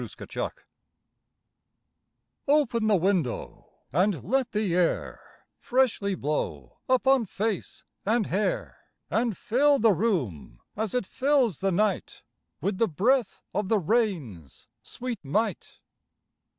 Nelson] OPEN the window, and let the air Freshly blow upon face and hair, And fill the room, as it fills the night, With the breath of the rain's sweet might.